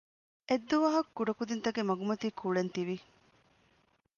އެއްދުވަހަކު ކުޑަކުދީންތަކެއް މަގުމަތީ ކުޅޭން ތިވި